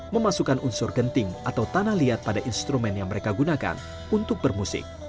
memasukkan unsur genting atau tanah liat pada instrumen yang mereka gunakan untuk bermusik